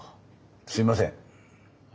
すいません。